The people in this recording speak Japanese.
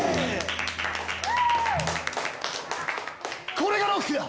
これがロックだ！